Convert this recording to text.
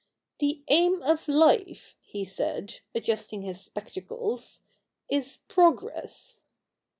'The aim of life,' he said, adjusting his spectacles, 'is progress.'